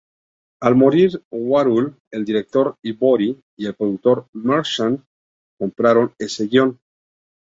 Al morir Warhol, el director Ivory y el productor Merchant compraron ese guion.